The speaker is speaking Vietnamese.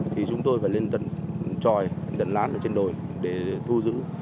thì chúng tôi phải lên tròi đẩn lán ở trên đồi để thu giữ